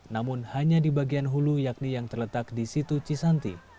namun hanya di bagian hulu yakni yang terletak di situ cisanti